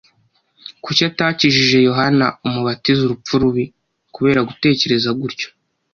Kuki atakijije Yohana umubatiza urupfu rubi? Kubera gutekereza gutyo,